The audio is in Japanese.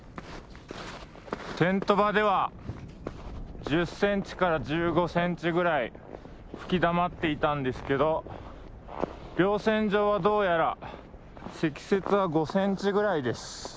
テント場では１０センチから１５センチぐらい吹きだまっていたんですけど稜線上はどうやら積雪は５センチぐらいです。